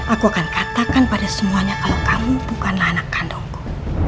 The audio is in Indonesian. aku akan katakan pada semuanya kalau kamu bukanlah anak kandungku